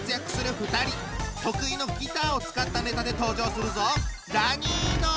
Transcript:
得意のギターを使ったネタで登場するぞ！